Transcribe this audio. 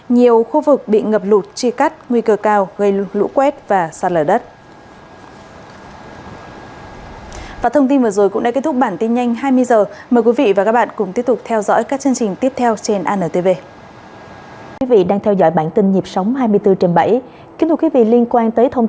nhiều khu vực bị ngập lụt chia cắt